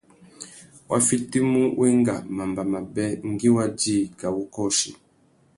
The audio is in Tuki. Wá fitimú wenga mamba mabê ngüi wa djï kā wu kôchi.